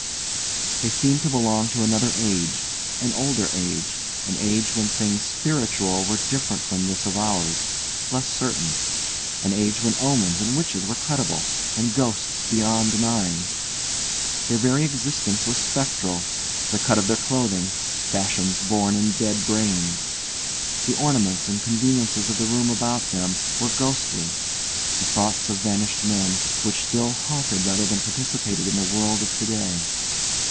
They seemed to belong to another age, an older age, an age when things spiritual were different from this of ours, less certain; an age when omens and witches were credible, and ghosts beyond denying. Their very existence was spectral; the cut of their clothing, fashions born in dead brains. The ornaments and conveniences of the room about them were ghostly the thoughts of vanished men, which still haunted rather than participated in the world of to day.